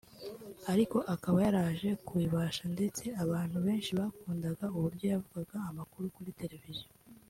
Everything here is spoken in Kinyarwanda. ariko akaba yaraje kubibasha ndetse abantu benshi bakunda uburyo yavugaga amakuru kuri televiziyo